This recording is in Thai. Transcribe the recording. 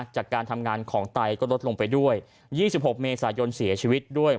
จากการทำงานของไตก็ลดลงไปด้วย๒๖เมษายนเสียชีวิตด้วย